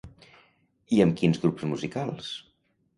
I amb quins grups musicals?